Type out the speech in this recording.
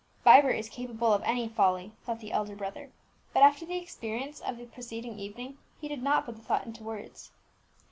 "Vibert is capable of any folly," thought the elder brother; but after the experience of the preceding evening, he did not put the thought into words.